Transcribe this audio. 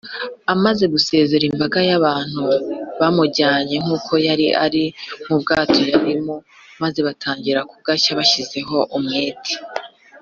amaze gusezerera imbaga y’abantu, bamujyanye “nk’uko yari ari” mu bwato yarimo, maze batangira kugashya bashyizeho umwete